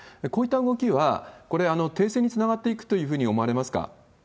こういった動きは、これ、停戦につながっていくというふうに思われますか？